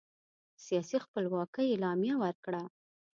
د سیاسي خپلواکۍ اعلامیه ورکړه.